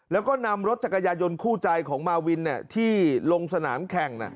แล้วก็นำรถจักรยายนคู่ใจของมาวินที่ลงสนามแข่ง